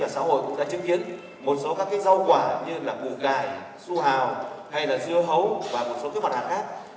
xã hội cũng đã chứng kiến một số các rau quả như là bù gài su hào hay là dưa hấu và một số mặt hàng khác